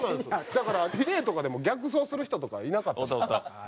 だからリレーとかでも逆走する人とかいなかったですか？